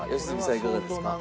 いかがですか？